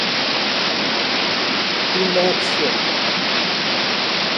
inépcia